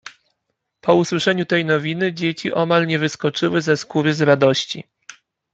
Po usłyszeniu tej nowiny dzieci omal nie wyskoczyły ze skóry z radości.